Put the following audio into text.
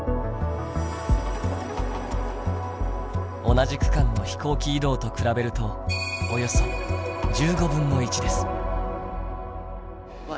同じ区間の飛行機移動と比べるとおよそ１５分の１です。